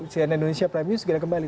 cnn indonesia prime news segera kembali